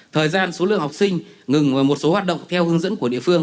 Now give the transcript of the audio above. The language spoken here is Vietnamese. thời gian số lượng học sinh ngừng một số hoạt động theo hướng dẫn của địa phương